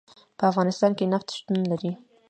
په افغانستان کې نفت شتون لري.